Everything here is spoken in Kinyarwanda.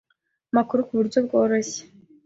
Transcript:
amakuru ku buryo bworoshye